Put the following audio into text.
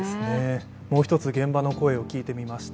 もう一つ現場の声を聞いてみました。